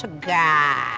perdagangan tadi udah jelen